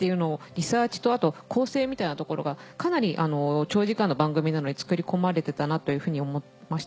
リサーチとあと構成みたいなところがかなり長時間の番組なのに作り込まれてたなというふうに思いました。